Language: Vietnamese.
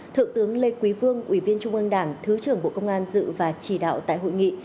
thượng tướng lê quý vương ủy viên trung ương đảng thứ trưởng bộ công an dự và chỉ đạo tại hội nghị